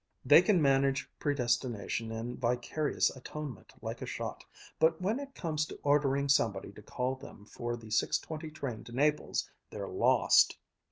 They can manage predestination and vicarious atonement like a shot, but when it comes to ordering somebody to call them for the six twenty train to Naples they're lost.